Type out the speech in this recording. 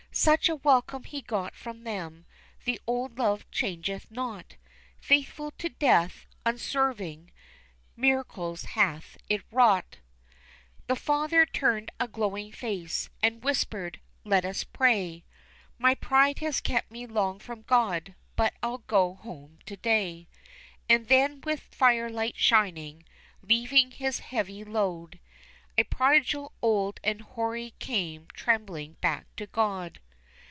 Such a welcome he got from them the old love changeth not, Faithful to death, unswerving miracles hath it wrought. The father turned a glowing face, and whispered: Let us pray, My pride has kept me long from God, but I'll go home to day. And then with the firelight shining, leaving his heavy load, A prodigal old and hoary came tremblingly back to God.